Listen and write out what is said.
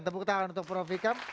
tebuk tangan untuk prof vikam